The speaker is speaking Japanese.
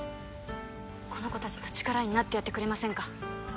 この子達の力になってやってくれませんか？